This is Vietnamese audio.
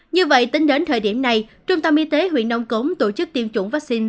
như vậy tính đến thời điểm này trung tâm y tế huyện nông cống tổ chức tiêm chủng vaccine